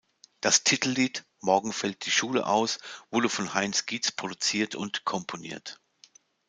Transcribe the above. Das Titellied "Morgen fällt die Schule aus" wurde von Heinz Gietz produziert und komponiert.